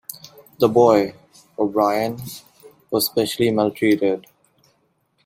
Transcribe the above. The boy, O'Brien, was specially maltreated.